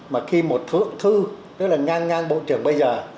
mà khi một thượng thư tức là nhan ngang bộ trưởng bây giờ